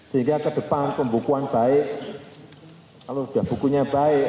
sehingga ke depan pembukuan baik kalau sudah bukunya baik